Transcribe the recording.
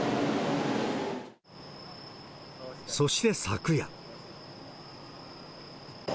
そして昨夜。